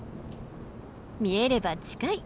見えれば近い！